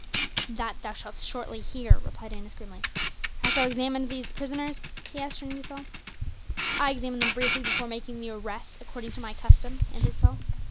"That shalt thou shortly hear," replied Annas grimly. "Hast thou examined these prisoners?" he asked, turning to Saul. "I examined them briefly before making the arrests, according to my custom," answered Saul.